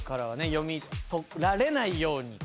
読み取られないように。